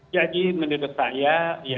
jadi menurut saya